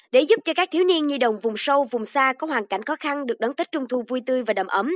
để giúp cho các thiếu niên nhi đồng vùng sâu vùng xa có hoàn cảnh khó khăn được đón tết trung thu vui tươi và đầm ấm